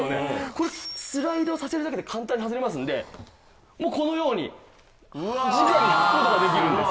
これスライドさせるだけで簡単に外れますのでもうこのようにじかに拭く事ができるんです。